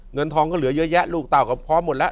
เงินทองก็เหลือเยอะแยะลูกเต่าก็พร้อมหมดแล้ว